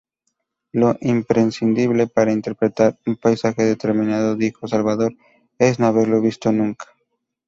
Lo imprescindible para interpretar un paisaje determinado, dijo Salvador, es no haberlo visto nunca".